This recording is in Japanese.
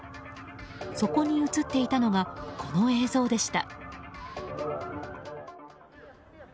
そこに映っていたのがこの映像でした。